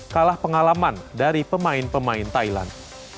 kalah pengalaman dari pemain pemain thailand